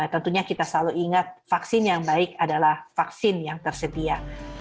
tentunya kita selalu ingat vaksin yang baik adalah vaksin yang tersedia